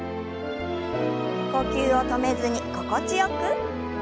呼吸を止めずに心地よく。